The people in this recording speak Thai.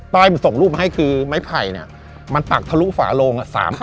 ต้อยมันส่งรูปเม้นไพ่จะปักถาดทะลุฝาโลง